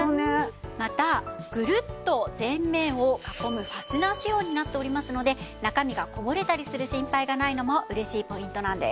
またグルッと全面を囲むファスナー仕様になっておりますので中身がこぼれたりする心配がないのも嬉しいポイントなんです。